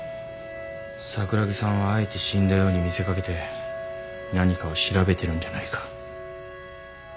桜木さんはあえて死んだように見せ掛けて何かを調べてるんじゃないか。